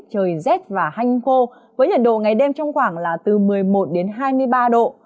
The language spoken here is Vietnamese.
trời rét và hanh khô với nhiệt độ ngày đêm trong khoảng là từ một mươi một đến hai mươi ba độ